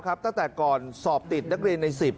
ตั้งแต่ก่อนสอบติดนักเรียนใน๑๐